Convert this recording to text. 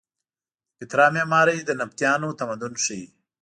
د پیترا معمارۍ د نبطیانو تمدن ښیې.